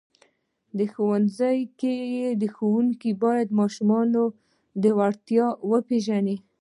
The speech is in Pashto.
په ښوونځیو کې ښوونکي باید د ماشومانو وړتیاوې وپېژني.